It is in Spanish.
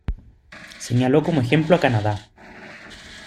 Señaló como ejemplo a Canadá.